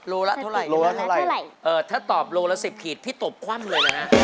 ลูละเท่าไหร่ครับพี่โตเลยนะครับพี่โต